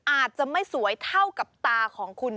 อาจจะไม่สวยเท่ากับตาของคุณ